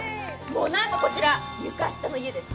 もうなんとこちら床下の家です